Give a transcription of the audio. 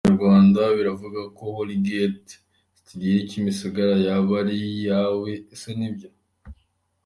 Inyarwanda: bivugwa ko Holy Gate studio iri Kimisagara yaba ari yawe ese nibyo?.